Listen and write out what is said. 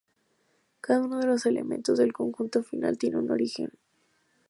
Cada uno de los elementos del conjunto final tiene un origen.